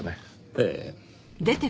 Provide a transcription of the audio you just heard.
ええ。